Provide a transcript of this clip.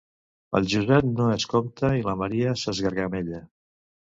El Josep no escomta i la Maria s'esgargamella